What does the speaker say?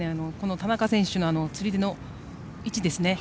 田中選手の釣り手の位置ですね。